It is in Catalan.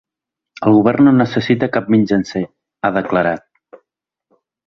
El govern no necessita cap mitjancer, ha declarat.